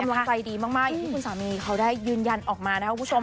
กำลังใจดีมากอย่างที่คุณสามีเขาได้ยืนยันออกมานะครับคุณผู้ชม